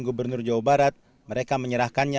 gubernur jawa barat mereka menyerahkannya